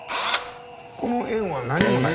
この円は何もない。